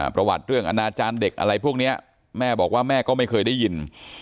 ประวัติเรื่องอนาจารย์เด็กอะไรพวกนี้แม่บอกว่าแม่ก็ไม่เคยได้ยิน